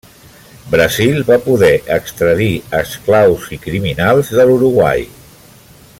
Brasil va poder extradir esclaus i criminals de l'Uruguai.